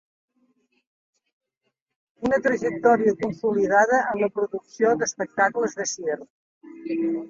Una trajectòria consolidada en la producció d'espectacles de circ.